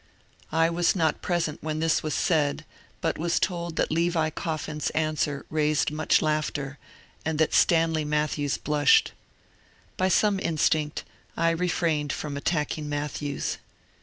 I was not present when this was said, but was told that Levi Coffin's answer raised much laughter, and that Stanley Mat thews blushed. By some instinct I refrained from attacking Matthews.